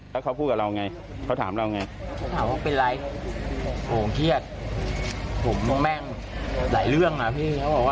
แล้วเขาพูดกับเราอย่างไรเขาถามเราอย่างไร